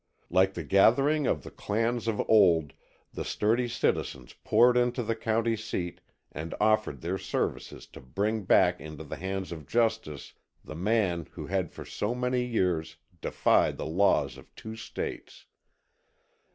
Like the gathering of the clans of old the sturdy citizens poured into the county seat and offered their services to bring back into the hands of justice the man who had for so many years defied the laws of two States.